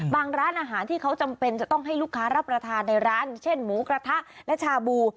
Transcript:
ร้านอาหารที่เขาจำเป็นจะต้องให้ลูกค้ารับประทานในร้านเช่นหมูกระทะและชาบู